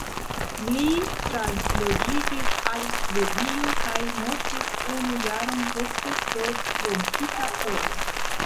Li transloĝiĝis al Svedio kaj mortis unu jaron poste pro "rompita koro".